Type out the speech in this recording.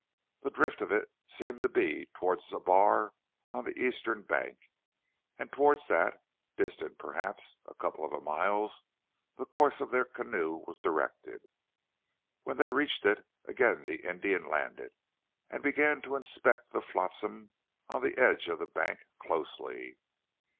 The drift of it seemed to be towards a bar on the eastern bank, and towards that, distant perhaps a couple of miles, the course of their canoe was directed. When they reached it, again the Indian landed, and began to inspect the flotsam on the edge of the bank closely.